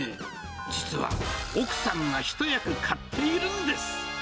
実は奥さんが一役買っているんです。